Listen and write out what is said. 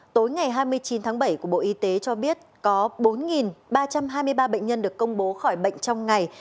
tối ngày hai mươi chín tháng bảy của bộ y tế cho biết có bốn ba trăm hai mươi ba bệnh nhân được công bố khỏi bệnh trong ngày